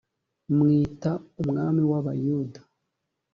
mwita umwami w abayuda